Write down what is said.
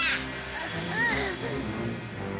ううん。